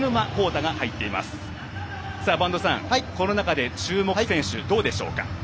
播戸さん、この中で注目選手どうでしょうか？